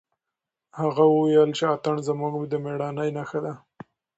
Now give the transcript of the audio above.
هغه وویل چې اتڼ زموږ د مېړانې نښه ده.